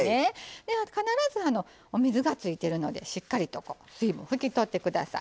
で必ずお水がついてるのでしっかりとこう水分拭きとって下さい。